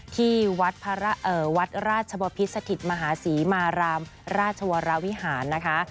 ที่วัดราชบพิษสถิตมหาศรีมารามราชวรวิหารนะคะ